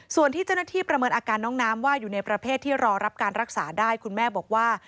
ส่วนที่เจ้าหน้าที่ประเมินอาการน้องน้ำว่าอยู่ในประเภทที่รอรับการรักษาได้คุณแม่บอกว่า